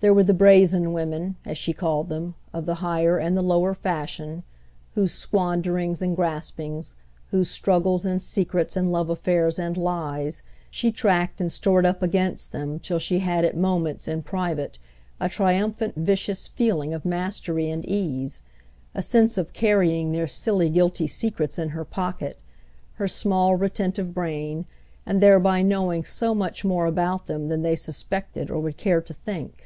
There were the brazen women, as she called them, of the higher and the lower fashion, whose squanderings and graspings, whose struggles and secrets and love affairs and lies, she tracked and stored up against them till she had at moments, in private, a triumphant vicious feeling of mastery and ease, a sense of carrying their silly guilty secrets in her pocket, her small retentive brain, and thereby knowing so much more about them than they suspected or would care to think.